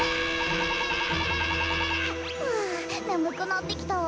ふわねむくなってきたわ。